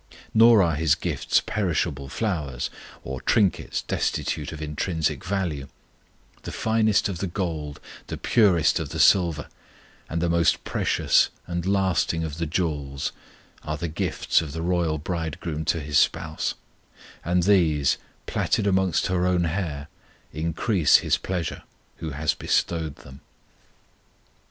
Nor are His gifts perishable flowers, or trinkets destitute of intrinsic value: the finest of the gold, the purest of the silver, and the most precious and lasting of the jewels are the gifts of the Royal Bridegroom to His spouse; and these, plaited amongst her own hair, increase His pleasure who has bestowed them.